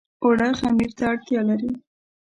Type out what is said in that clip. اوړه خمیر ته اړتيا لري